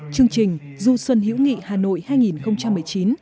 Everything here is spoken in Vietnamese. chương trình du xuân hữu nghị hà nội hai nghìn một mươi chín